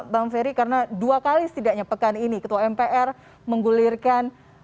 bang ferry karena dua kali setidaknya pekan ini ketua mpr menggulirkan